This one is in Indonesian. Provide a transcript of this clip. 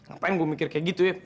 ngapain gue mikir kayak gitu ya